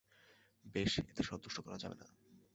বেশ, এতে সন্তুষ্ট করা যাবে না।